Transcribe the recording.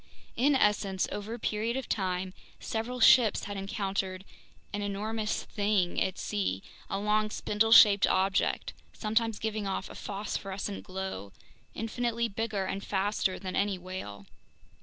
In essence, over a period of time several ships had encountered "an enormous thing" at sea, a long spindle shaped object, sometimes giving off a phosphorescent glow, infinitely bigger and faster than any whale.